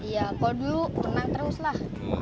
iya kalau dulu menang terus lah